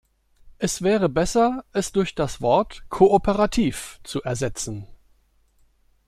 Es wäre besser, es durch das Wort "kooperativ" zu ersetzen.